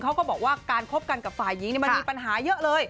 เขาก็บอกว่าการคบกันกับฝ่ายหญิงมันมีปัญหาเยอะเลย